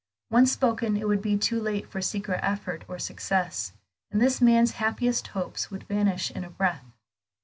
Once spoken, it would be too late for secret effort or success, and this man's happiest hopes would vanish in a breath.